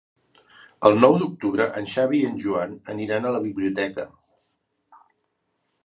El nou d'octubre en Xavi i en Joan aniran a la biblioteca.